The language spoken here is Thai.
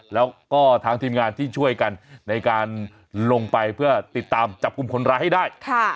แล้วก็ทางทีมงานที่ช่วยกันในการลงไปเพื่อติดตามจับกลุ่มคนร้ายให้ได้